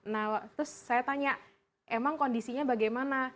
nah terus saya tanya emang kondisinya bagaimana